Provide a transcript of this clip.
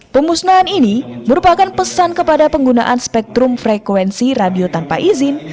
pemusnahan ini merupakan pesan kepada penggunaan spektrum frekuensi radio tanpa izin